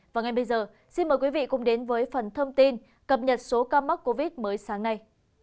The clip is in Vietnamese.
và ngay bây giờ xin mời quý vị cùng đến với phần thông tin cập nhật số ca mắc covid mới sáng nay